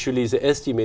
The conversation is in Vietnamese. lý do thứ hai